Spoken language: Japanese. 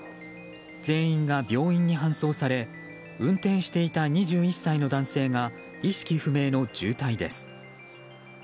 全員が病院に搬送され運転していた２１歳の男性が意識不明の重体です。